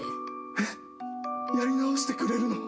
えっやり直してくれるの？